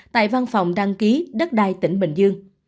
tại văn phòng đăng ký đất đai tỉnh bình dương